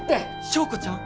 昭子ちゃん？